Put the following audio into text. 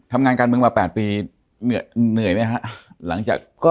ทำงานการเมืองมา๘ปีเหนื่อยไหมฮะหลังจากก็